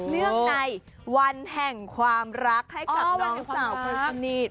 เนื่องในวันแห่งความรักให้กับน้องสาวคนสนิท